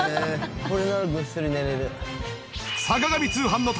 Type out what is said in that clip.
これならぐっすり寝られる。